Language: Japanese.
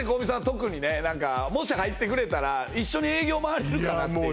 特にね何かもし入ってくれたら一緒に営業回れるかなっていういや